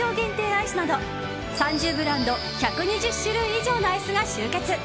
アイスなど３０ブランド、１２０種類以上のアイスが集結。